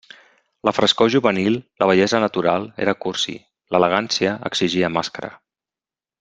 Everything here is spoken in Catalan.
La frescor juvenil, la bellesa natural, era cursi; l'elegància exigia màscara.